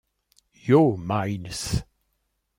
Yo Miles!